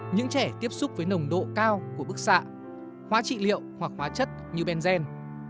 những trẻ tiếp xúc với nồng độ cao của bức xạ hóa trị liệu hoặc hóa chất như benzen